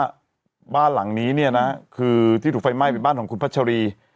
ว่าบ้านหลังนี้เนี่ยนะคือที่ถูกไฟไหม้เป็นบ้านของคุณพัชรี